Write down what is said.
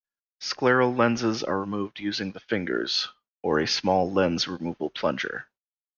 Scleral lenses are removed using the fingers, or a small lens removal plunger.